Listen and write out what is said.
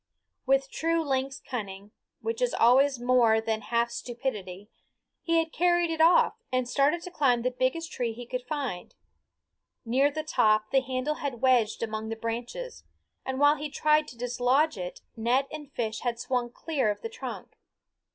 With true lynx cunning, which is always more than half stupidity, he had carried it off and started to climb the biggest tree he could find. Near the top the handle had wedged among the branches, and while he tried to dislodge it net and fish had swung clear of the trunk.